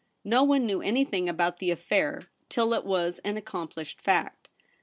No one knew anything about ROLFE BELLARMIN. the affair till it was an accomplished fact.